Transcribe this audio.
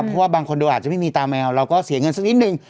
เพราะว่าบางคนดูอาจจะไม่มีตาแมวเราก็เสียเงินสักนิดนึง